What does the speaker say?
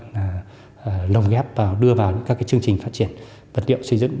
là lồng ghép vào đưa vào các chương trình phát triển vật liệu xây dựng